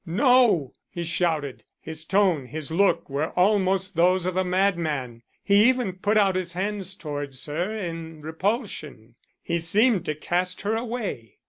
"No!" he shouted. His tone, his look, were almost those of a madman. He even put out his hands towards her in repulsion. He seemed to cast her away.